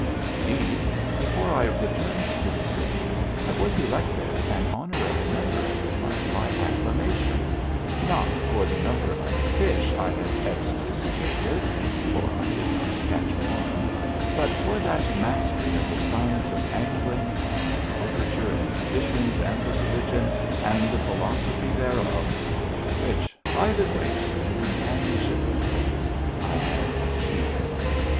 Indeed, before I returned to the city I was elected an honorary member of the club by acclamation not for the number of fish I had expiscated (for I did not catch one), but for that mastery of the science of angling and the literature and the traditions and the religion and the philosophy thereof which, by the grace of the companionship of books, I had achieved.